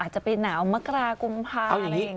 อาจจะเป็นหนาวมะกรากุมพาอะไรอย่างนี้